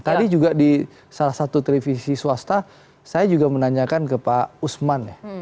tadi juga di salah satu televisi swasta saya juga menanyakan ke pak usman ya